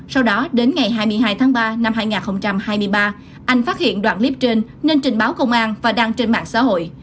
sau đó đến ngày hai mươi hai tháng ba năm hai nghìn hai mươi ba anh phát hiện đoạn clip trên nên trình báo công an và đăng trên mạng xã hội